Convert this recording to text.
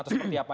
atau seperti apa